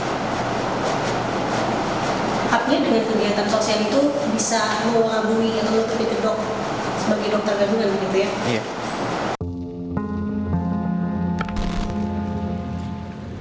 apakah dengan kegiatan sosial itu bisa lu mengabungi atau lu tetap di gedok sebagai dokter gadungan begitu ya